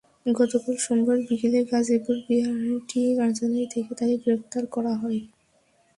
গতকাল সোমবার বিকেলে গাজীপুর বিআরটিএ কার্যালয় থেকে তাঁকে গ্রেপ্তার করা হয়।